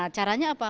nah caranya apa